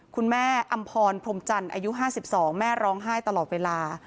อำพรพรมจันทร์อายุ๕๒แม่ร้องไห้ตลอดเวลา